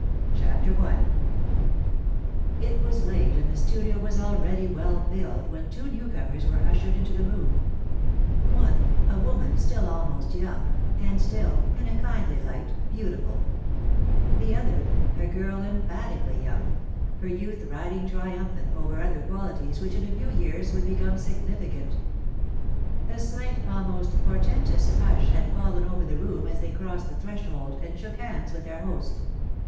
CHAPTER I IT was late and the studio was already well filled when two new comers were ushered into the room—one a woman still almost young, and still (in a kindly light) beautiful; the other a girl emphatically young, her youth riding triumphant over other qualities which in a few years would become significant. A slight, almost portentous, hush had fallen over the room as they crossed the threshold and shook hands with their host.